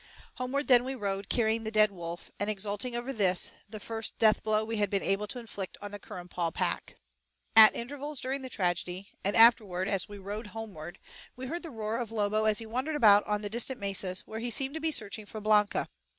Homeward then we rode, carrying the dead wolf, and exulting over this, the first death blow we had been able to inflict on the Currumpaw pack. At intervals during the tragedy, and afterward as we rode homeward, we heard the roar of Lobo as he wandered about on the distant mesas, where he seemed to be searching for Blanca.